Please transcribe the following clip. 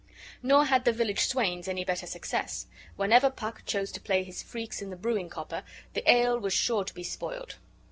Nor had the village swains any better success; whenever Puck chose to play his freaks in the brewing copper, the ale was sure to be spoiled.